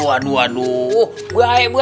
aduh aduh aduh